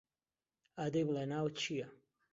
ئادەی بڵێ ناوت چییە؟